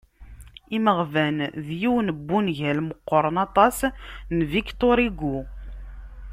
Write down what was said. "Imeɣban" d yiwen n wungal meqqren aṭas n Victor Hugo.